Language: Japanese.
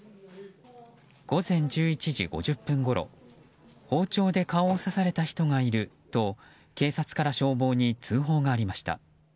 午前１１時５０分ごろ包丁で顔を刺された人がいると警察から消防に通報がありました。